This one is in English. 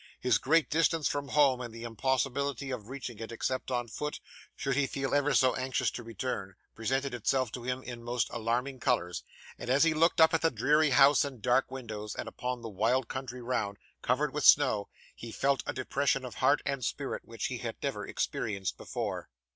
His great distance from home and the impossibility of reaching it, except on foot, should he feel ever so anxious to return, presented itself to him in most alarming colours; and as he looked up at the dreary house and dark windows, and upon the wild country round, covered with snow, he felt a depression of heart and spirit which he had never experienced before.